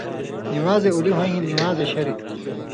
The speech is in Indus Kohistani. نِوان٘زے اُولی ہویں ہِن نِوان٘زے شریۡ تھُو۔